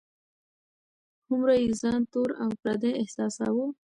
هومره یې ځان تور او پردی احساساوه.